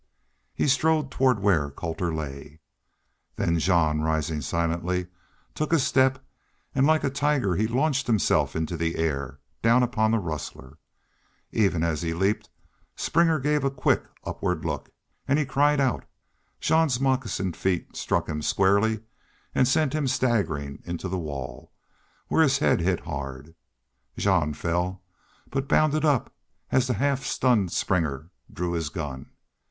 He strode toward where Colter lay. Then Jean, rising silently, took a step and like a tiger he launched himself into the air, down upon the rustler. Even as he leaped Springer gave a quick, upward look. And he cried out. Jean's moccasined feet struck him squarely and sent him staggering into the wall, where his head hit hard. Jean fell, but bounded up as the half stunned Springer drew his gun.